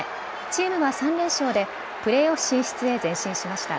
チームは３連勝で、プレーオフ進出へ、前進しました。